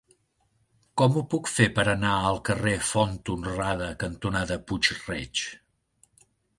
Com ho puc fer per anar al carrer Font Honrada cantonada Puig-reig?